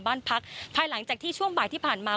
บ้านพักภายหลังจากที่ช่วงบ่ายที่ผ่านมา